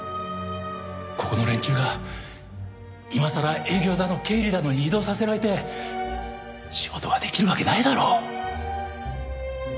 ここの連中が今さら営業だの経理だのに異動させられて仕事ができるわけないだろ。